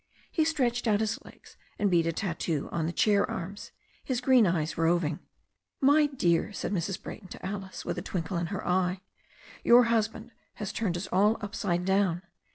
He stretched out his legs, and beat a tattoo on the chair arms, his green eyes roving. "My dear," said Mrs. Brayton to Alice, with a twinkle in her eye, "your husband has turned us all upside down.